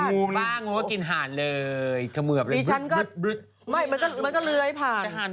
งูบ้างงูก็กินห่านเลยดิฉันก็มันก็เลยผ่าน